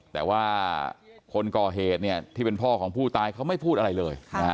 แต่ว่าคนก่อเหตุที่เป็นพ่อของผู้ตายเขาไม่พูดอะไรเลย